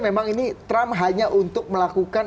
memang ini trump hanya untuk melakukan